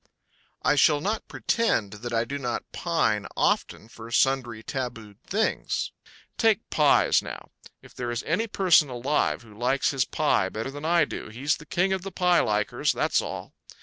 I shall not pretend that I do not pine often for sundry tabooed things. Take pies, now if there is any person alive who likes his pie better than I do he's the king of the pie likers, that's all.